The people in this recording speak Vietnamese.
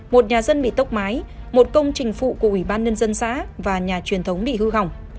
một nhà dân bị tốc mái một công trình phụ của ủy ban nhân dân xã và nhà truyền thống bị hư hỏng